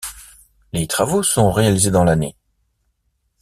Les travaux sont réalisés dans l'année.